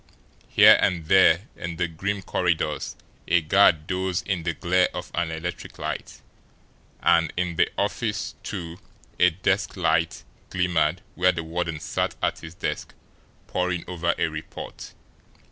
Here and there in the grim corridors a guard dozed in the glare of an electric light; and in the office, too, a desk light glimmered where the warden sat at his desk, poring over a report.